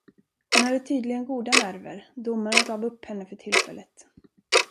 Hon hade tydligen goda nerver, domaren gav upp henne för tillfället.